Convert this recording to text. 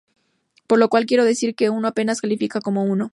Por lo cual quiero decir que apenas califica como uno".